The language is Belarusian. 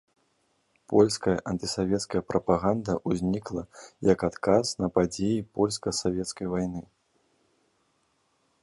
Польская антысавецкая прапаганда ўзнікла як адказ на падзеі польска-савецкай вайны.